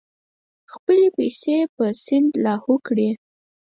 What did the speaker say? خپلې پیسې په سیند لاهو کړې.